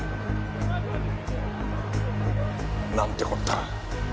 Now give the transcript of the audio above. なんてこった。